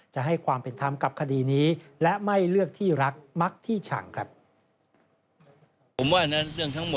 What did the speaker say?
จะให้ความเป็นธรรมกับคดีนี้และไม่เลือกที่รักมักที่ชังครับ